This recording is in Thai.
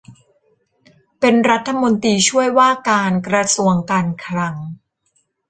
เป็นรัฐมนตรีช่วยว่าการกระทรวงการคลัง